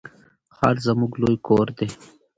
ښار زموږ لوی کور دی.